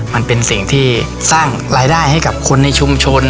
มันเป็นสิ่งที่สร้างรายได้ให้กับคนในชุมชน